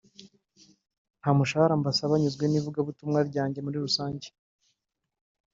nta mushahara mbasaha nyuzwe n’ivugabutumwa ryanjye muri rusange